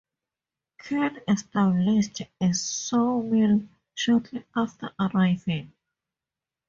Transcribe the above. Kern established a sawmill shortly after arriving.